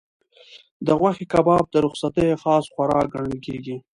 د غوښې کباب د رخصتیو خاص خوراک ګڼل کېږي.